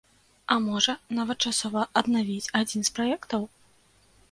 А можа, нават часова аднавіць адзін з праектаў?